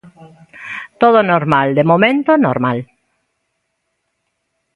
Todo normal de momento normal.